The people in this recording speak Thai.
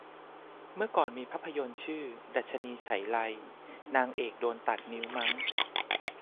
เมื่อก่อนมีภาพยนต์ชื่อดรรชนีไฉไล นางเอกโดนตัดนิ้วมั้ง